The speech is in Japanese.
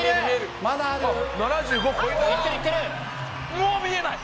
もう見えない！